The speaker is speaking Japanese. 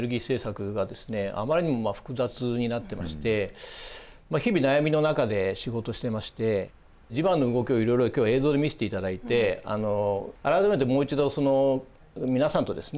あまりにも複雑になってまして日々悩みの中で仕事してまして地場の動きをいろいろ今日は映像で見せていただいて改めてもう一度皆さんとですね